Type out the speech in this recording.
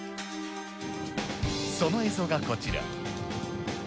その映像がこちら。